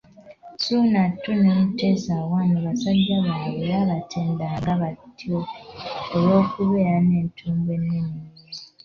Ssuuna II ne Mutesa I basajja baabwe baabatendanga batyo olw'okuba n'entumbwe ennene ennyo.